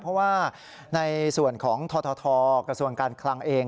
เพราะว่าในส่วนของททกระทรวงการคลังเอง